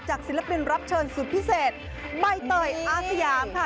ศิลปินรับเชิญสุดพิเศษใบเตยอาสยามค่ะ